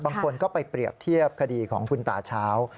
บางคนก็ไปเปรียบเทียบคดีของคุณตาเช้า